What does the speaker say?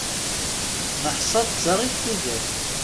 Neḥsa d ta i tudert.